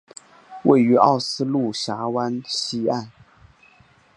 位于奥斯陆峡湾西岸。